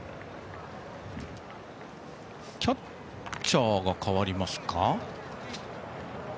キャッチャーが代わりますか。